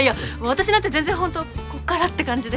私なんて全然ホントこっからって感じで。